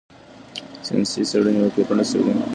ساینسي څېړنې واقعیتونه ښيي.